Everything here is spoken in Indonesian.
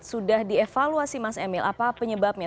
sudah dievaluasi mas emil apa penyebabnya